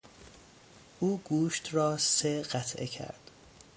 او گوشت را سه قطعه کرد.